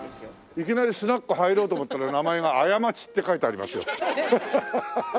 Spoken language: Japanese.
いきなりスナック入ろうと思ったら名前が「あやまち」って書いてありますよ。